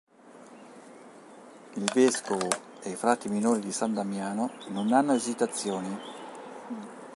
Il vescovo e i frati minori di san Damiano non hanno esitazioni.